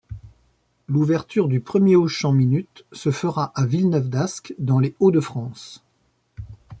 L'ouverture du premier Auchan Minute se fera à Villeneuve-d'Ascq, dans les Hauts de France.